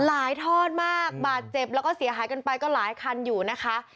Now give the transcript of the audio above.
ทอดมากบาดเจ็บแล้วก็เสียหายกันไปก็หลายคันอยู่นะคะ